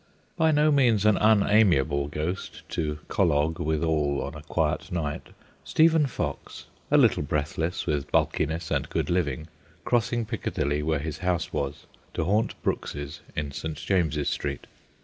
By no means an unamiable ghost to collogue withal on a quiet night, Stephen Fox, a little breathless with bulkiness and good living, crossing Piccadilly, where his house was, to haunt Brooks's in St. James's Street.